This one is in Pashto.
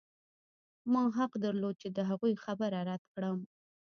ما حق درلود چې د هغوی خبره رد کړم